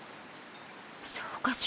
そうかしら？